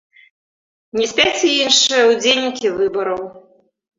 Не спяць і іншыя ўдзельнікі выбараў.